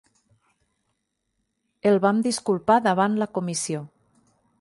El vam disculpar davant la comissió.